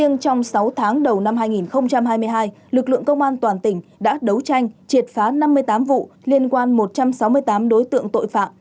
năm hai nghìn hai mươi hai lực lượng công an toàn tỉnh đã đấu tranh triệt phá năm mươi tám vụ liên quan một trăm sáu mươi tám đối tượng tội phạm